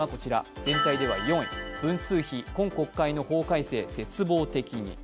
全体では４位、文通費、今国会での法改正絶望的に。